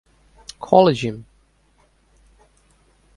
Collegium.